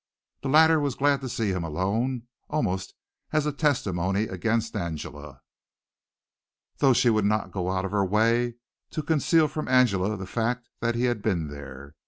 The latter was glad to see him alone, almost as a testimony against Angela, though she would not go out of her way to conceal from Angela the fact that he had been there.